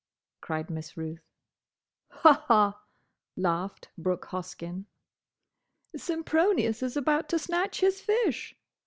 cried Miss Ruth. "Haha!" laughed Brooke Hoskyn. "Sempronius is about to snatch his fish!